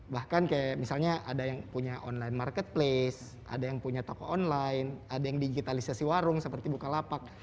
bahkan kayak misalnya ada yang punya online marketplace ada yang punya toko online ada yang digitalisasi warung seperti bukalapak